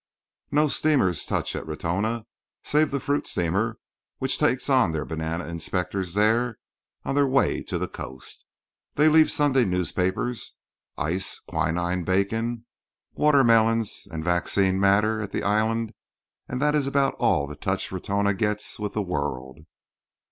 No steamers touch at Ratona save the fruit steamers which take on their banana inspectors there on their way to the coast. They leave Sunday newspapers, ice, quinine, bacon, watermelons and vaccine matter at the island and that is about all the touch Ratona gets with the world.